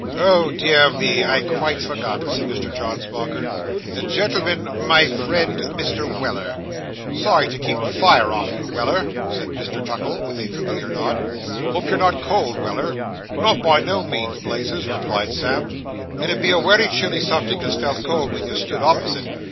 'Oh, dear me, I quite forgot,' said Mr. John Smauker. 'Gentlemen, my friend Mr. Weller.' 'Sorry to keep the fire off you, Weller,' said Mr. Tuckle, with a familiar nod. 'Hope you're not cold, Weller.' 'Not by no means, Blazes,' replied Sam. 'It 'ud be a wery chilly subject as felt cold wen you stood opposite.